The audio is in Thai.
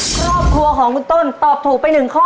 ครอบครัวของคุณต้นตอบถูกไป๑ข้อ